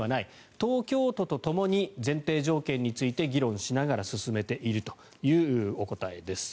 東京都とともに前提条件について議論しながら進めているというお答えです。